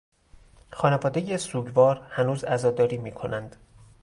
خانوادهی سوگوار هنوز عزاداری میکنند.